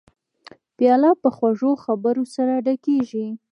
پیاله په خوږو خبرو سره ډکېږي.